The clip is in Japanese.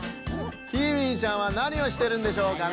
キーウィちゃんはなにをしてるんでしょうかね？